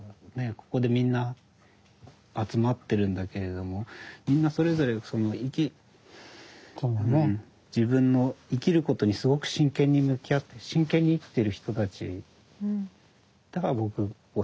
ここでみんな集まってるんだけれどもみんなそれぞれその自分の生きることにすごく真剣に向き合って真剣に生きてる人たちだから僕ここが好き。